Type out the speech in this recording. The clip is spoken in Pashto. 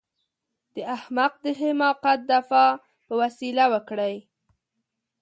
د احمق د حماقت دفاع په وسيله وکړئ.